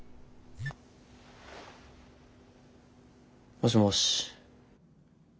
もしもし。